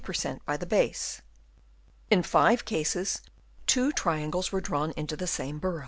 33 per cent, by the base. In five cases, two triangles were drawn into the same burrow.